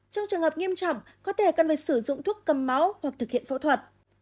trong trường hợp nghiêm trọng có thể cần phải sử dụng thuốc cầm máu hoặc thực hiện phẫu thuật